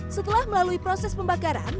setelah melalui proses pembakaran